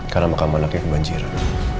karena makam anaknya kebanjiran